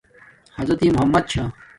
حضرت محمدؐ چھݳ.